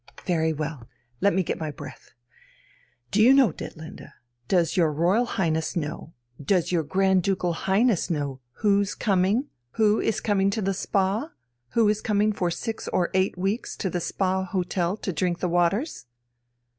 "Very well. Let me get my breath. Do you know, Ditlinde, does your Royal Highness know, does your Grand Ducal Highness know who's coming, who is coming to the spa, who is coming for six or eight weeks to the Spa Hotel to drink the waters?"